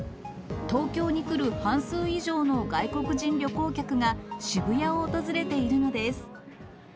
東京に来る半数以上の外国人旅行客が、渋谷を訪れているのです。